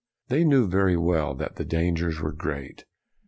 They knew very well that the dangers were great.